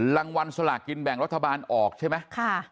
รางวัลสลากกินแบ่งรัฐบาลออกใช่ไหม